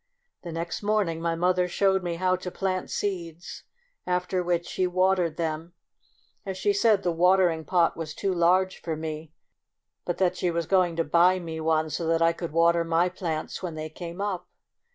The next morning my mother showed me how to plant seeds, after which she water ed them, as she said the watering pot was too large for me, but that she was going 2 26 MEMOIRS OF A to buy me one, so that I could water my plants when they came up.